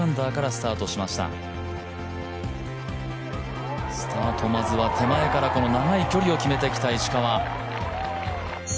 スタート、まずは手前から長い距離を決めてきた石川。